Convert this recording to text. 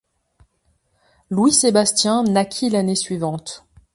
Louis-Sébastien naquit l'année suivante.